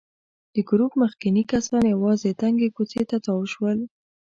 د ګروپ مخکېني کسان یوې تنګې کوڅې ته تاو شول.